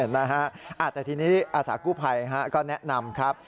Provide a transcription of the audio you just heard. แต่ทีนี้อาสากู้ภัยก็แนะนำครับ